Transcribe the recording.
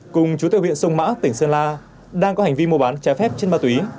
cùng chú tiêu viện sông mã tỉnh sơn la đang có hành vi mua bán trái phép chất ma túy